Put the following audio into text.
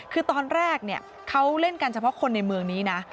คือตอนแรกเขาเล่นกันเฉพาะคนในเมืองนี้นะ